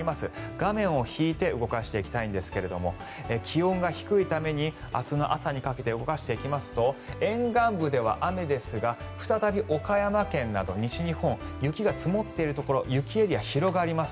画面を引いて動かしていきたいんですが気温が低いために明日の朝にかけて動かしていきますと沿岸部では雨ですが再び岡山県など西日本雪が積もっているところ雪エリア広がります。